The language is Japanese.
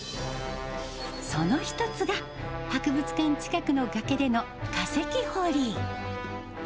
その一つが、博物館近くの崖での化石掘り。